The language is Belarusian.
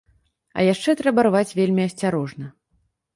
А яшчэ трэба рваць вельмі асцярожна.